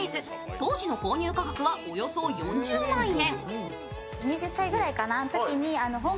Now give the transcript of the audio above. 当時の購入価格はおよそ４０万円。